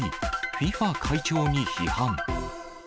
ＦＩＦＡ会長に批判。